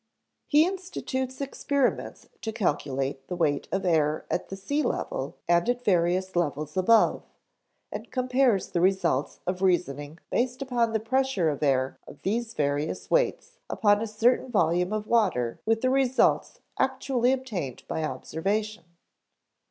He institutes experiments to calculate the weight of air at the sea level and at various levels above, and compares the results of reasoning based upon the pressure of air of these various weights upon a certain volume of water with the results actually obtained by observation.